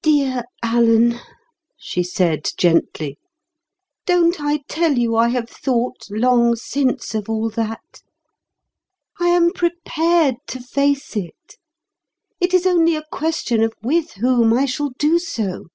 "Dear Alan," she said gently, "don't I tell you I have thought long since of all that? I am prepared to face it. It is only a question of with whom I shall do so.